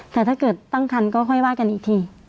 แต่ถ้าเกิดตั้งคันก็ค่อยว่ากันอีกที